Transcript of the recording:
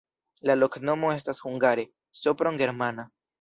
La loknomo estas hungare: Sopron-germana.